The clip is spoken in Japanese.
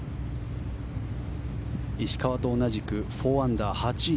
石川と同じく４アンダー８位